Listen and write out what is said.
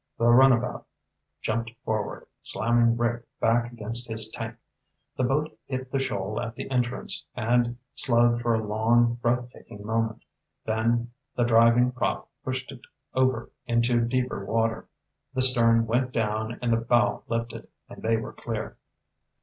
The runabout jumped forward, slamming Rick back against his tank. The boat hit the shoal at the entrance and slowed for a long, breathtaking moment, then the driving prop pushed it over into deeper water. The stern went down and the bow lifted, and they were clear.